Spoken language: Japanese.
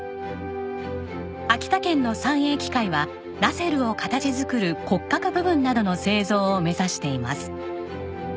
秋田県の三栄機械はナセルを形作る骨格部分などの製造を目指しています。